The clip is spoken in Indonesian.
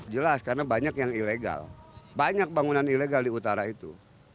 jelas karena banyak yang ilegal banyak bangunan ilegal di utara itu